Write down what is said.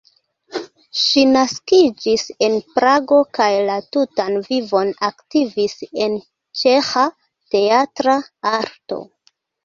Ŝi naskiĝis en Prago kaj la tutan vivon aktivis en ĉeĥa teatra arto.